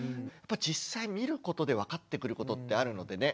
実際見ることで分かってくることってあるのでね。